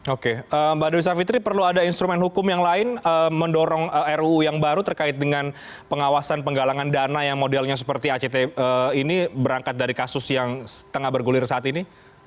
oke mbak dewi savitri perlu ada instrumen hukum yang lain mendorong ruu yang baru terkait dengan pengawasan penggalangan dana yang modelnya seperti act ini berangkat dari kasus yang tengah bergulir saat ini